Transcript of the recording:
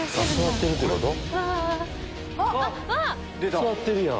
座ってるやん。